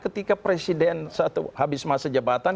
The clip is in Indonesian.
ketika presiden habis masa jabatan